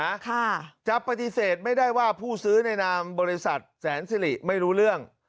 ค่ะจะปฏิเสธไม่ได้ว่าผู้ซื้อในนามบริษัทแสนสิริไม่รู้เรื่อง